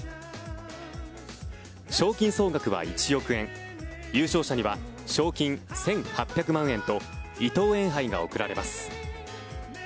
賞金総額は１億円優勝者には賞金１８００万円と伊藤園杯が贈られます。